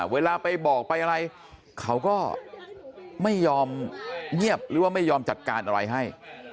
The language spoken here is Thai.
เวลาไปบอกไปอะไรเขาก็ไม่ยอมเงียบหรือว่าไม่ยอมจัดการอะไรให้